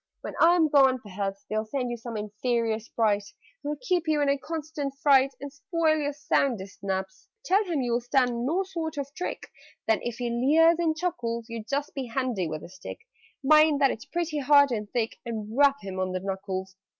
When I am gone, perhaps They'll send you some inferior Sprite, Who'll keep you in a constant fright And spoil your soundest naps. "Tell him you'll stand no sort of trick; Then, if he leers and chuckles, You just be handy with a stick (Mind that it's pretty hard and thick) And rap him on the knuckles!